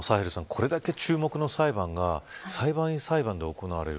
これだけ注目の裁判が裁判員裁判で行われる。